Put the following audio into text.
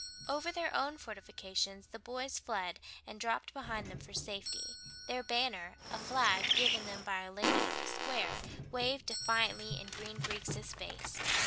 Over their own fortifications the boys fled and dropped behind them for safety. Their banner, a flag given them by a lady of the Square, waved defiantly in Green Breeks' face.